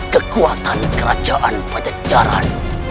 kekuatan kerajaan padajaran